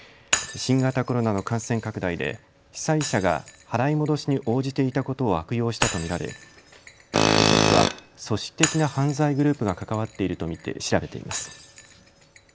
新型コロナの感染拡大で主催者が払い戻しに応じていたことを悪用したと見られ警察は組織的な犯罪グループが関わっていると見て調べています。